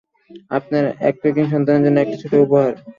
আপনার আপকামিং সন্তানের জন্য একটা ছোট উপহার।